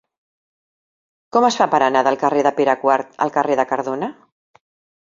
Com es fa per anar del carrer de Pere IV al carrer de Cardona?